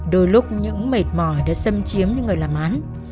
đôi lúc những mệt mỏi đã xâm chiếm những người làm án